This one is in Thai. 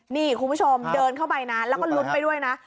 นี่คุณผู้ชมเดินเข้าไปนะแล้วก็ลุ้นไปด้วยนะ